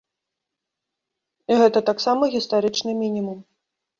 І гэта таксама гістарычны мінімум.